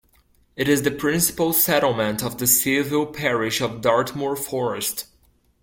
It is the principal settlement of the civil parish of Dartmoor Forest.